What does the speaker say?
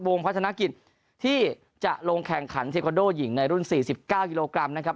พัฒนกิจที่จะลงแข่งขันเทคอนโดหญิงในรุ่น๔๙กิโลกรัมนะครับ